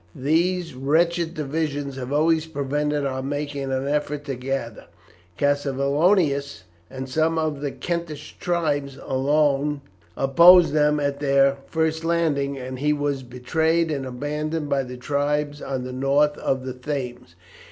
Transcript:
These wretched divisions have always prevented our making an effort to gather; Cassivelaunus and some of the Kentish tribes alone opposed them at their first landing, and he was betrayed and abandoned by the tribes on the north of the Thames.